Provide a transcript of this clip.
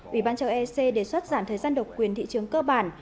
ủy ban châu ec đề xuất giảm thời gian độc quyền thị trường cơ bản